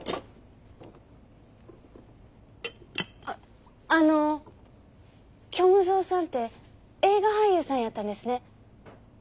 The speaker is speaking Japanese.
ああの虚無蔵さんて映画俳優さんやったんですね。